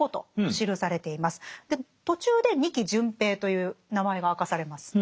で途中で仁木順平という名前が明かされます。